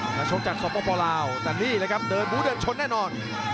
จัดชกจากสอนประมาณประมาณลาวแต่นี่เลยครับเดินบู๋เดินชนแน่นอน